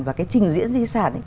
và cái trình diễn di sản